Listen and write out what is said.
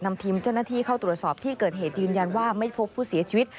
ทีมเจ้าหน้าที่เข้าตรวจสอบที่เกิดเหตุยืนยันว่าไม่พบผู้เสียชีวิต